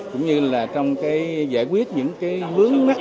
cũng như là trong cái giải quyết những cái vướng mắt